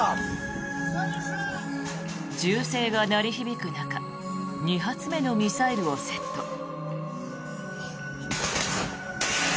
銃声が鳴り響く中２発目のミサイルをセット。